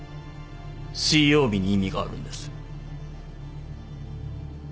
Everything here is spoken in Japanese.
水曜日に意味があるんです。